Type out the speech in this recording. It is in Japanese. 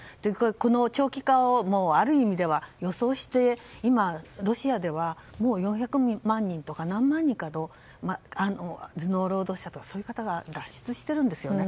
この長期化をある意味では予想して今、ロシアでは４００万人ぐらいの頭脳労働者とかそういう方が脱出しているんですね。